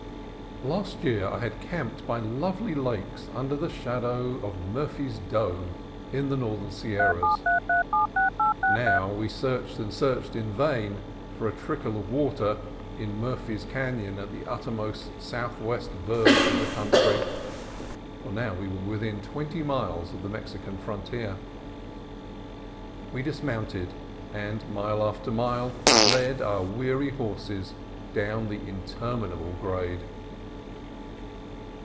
Last year I had camped MISSION VALLEY 49 by lovely lakes under the shadow of Murphy's Dome in the northern Sierras: now we searched, and searched in vain, for a trickle of water in Murphy's Canon at the uttermost southwest verge of the country (for we were now within twenty miles of the Mexican frontier). We dismounted, and mile after mile led our weary horses down the inter minable grade.